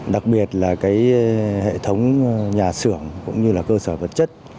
đặc biệt là hệ thống nhà xưởng cũng như cơ sở vật chất